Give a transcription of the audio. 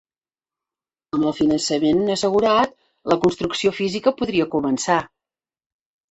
Amb el finançament assegurat, la construcció física podria començar.